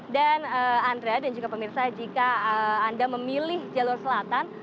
dan andra dan juga pemirsa jika anda memilih jalur selatan